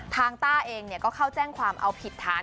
ทางต้าเองเนี่ยก็เข้าแจ้งความเอาผิดฐาน